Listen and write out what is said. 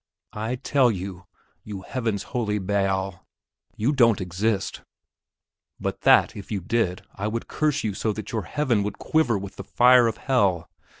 I tell you, you Heaven's Holy Baal, you don't exist; but that, if you did, I would curse you so that your Heaven would quiver with the fire of hell!